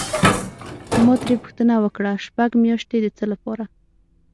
ما ترې پوښتنه وکړه: شپږ میاشتې د څه لپاره؟